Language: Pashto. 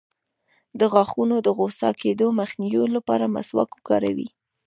د غاښونو د خوسا کیدو مخنیوي لپاره مسواک وکاروئ